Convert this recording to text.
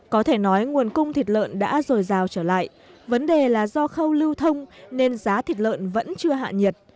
có thể nói nguồn cung thịt lợn đã rồi rào trở lại vấn đề là do khâu lưu thông nên giá thịt lợn vẫn chưa hạ nhiệt